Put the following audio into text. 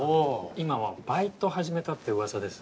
今はバイト始めたって噂です。